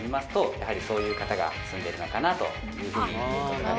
やはりそういう方が住んでるのかなというふうに見ることができる。